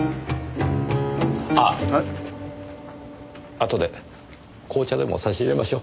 あとで紅茶でも差し入れましょう。